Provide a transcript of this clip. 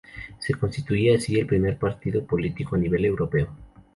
Se constituía así el primer partido político a nivel europeo.